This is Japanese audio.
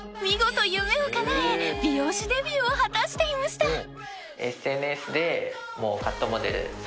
［見事夢をかなえ美容師デビューを果たしていました］